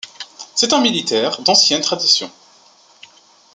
C'est un militaire d'ancienne tradition.